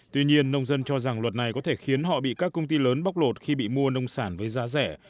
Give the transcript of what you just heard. tuy nhiên nông dân cho rằng luật này có thể khiến họ bị các công ty lớn bóc lột khi bị mua nông sản với giá rẻ